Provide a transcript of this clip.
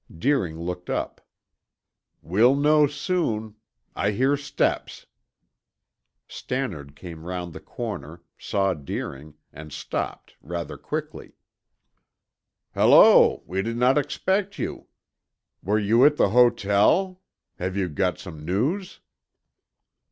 Deering looked up. "We'll know soon. I hear steps." Stannard came round the corner, saw Deering, and stopped, rather quickly. "Hello! We did not expect you. Were you at the hotel? Have you got some news?"